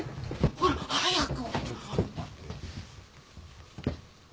ほら早く！